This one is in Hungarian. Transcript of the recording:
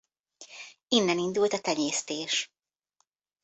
Innen indult a tenyésztés.